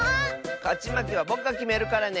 かちまけはぼくがきめるからね。